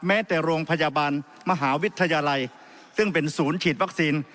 แม้แต่โรงพยาบาลมหาวิทยาลัยซึ่งเป็นศูนย์ฉีดวัคซีน